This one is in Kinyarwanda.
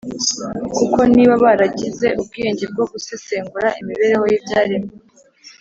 kuko, niba baragize ubwenge bwo gusesengura imibereho y’ibyaremwe,